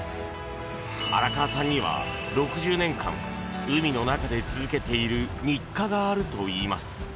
荒川さんには６０年間、海の中で続けている日課があるといいます。